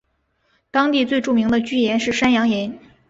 当地最著名的巨岩是山羊岩。